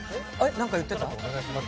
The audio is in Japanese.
なんか言ってた？